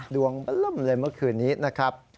ดวงเริ่มเลยเมื่อคืนนี้นะครับ